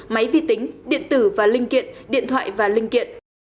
máy vi tính điện tử và linh kiện điện thoại và linh kiện